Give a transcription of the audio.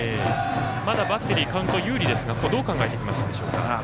まだバッテリーカウント有利ですがどう考えていきますでしょうか？